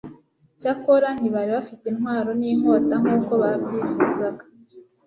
cyakora ntibari bafite intwaro n'inkota nk'uko babyifuzaga